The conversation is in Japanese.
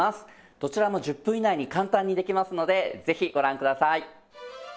どちらも１０分以内に簡単にできますのでぜひご覧ください。